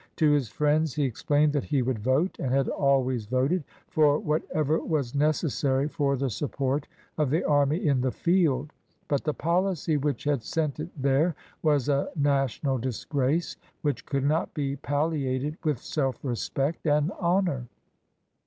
To his friends he explained that he would vote, and had always voted, for whatever was necessary for the sup port of the army in the field, but the policy which had sent it there was a national disgrace which could not be palliated with self respect and honor.